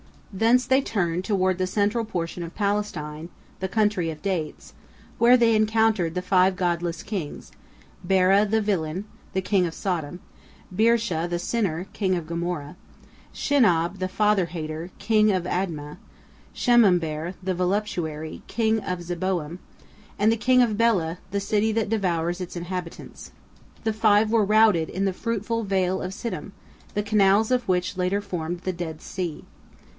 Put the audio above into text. Thence they turned toward the central portion of Palestine, the country of dates, where they encountered the five godless kings, Bera, the villain, king of Sodom; Birsha, the sinner, king of Gomorrah; Shinab, the father hater, king of Admah; Shemeber, the voluptuary, king of Zeboiim; and the king of Bela, the city that devours its inhabitants. The five were routed in the fruitful Vale of Siddim, the canals of which later formed the Dead Sea.